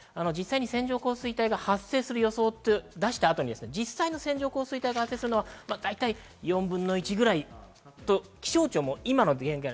線状降水帯が発生する予想を出した後に実際の線状降水帯が発生するのは４分の１ぐらいと気象庁も今の現代